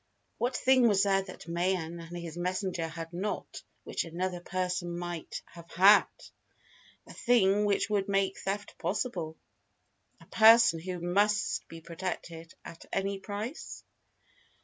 What thing was there that Mayen and his messenger had not, which another person might have had? A thing which would make theft possible? A person who must be protected at any price?